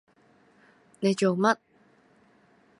你做乜？